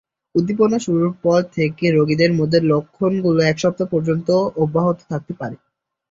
উদ্দীপনা শুরুর পর থেকে রোগীদের মধ্যে লক্ষণগুলো এক সপ্তাহ পর্যন্ত অব্যাহত থাকতে পারে।